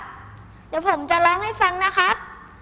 เดี๋ยวผมจะร้องให้ฟังนะครับ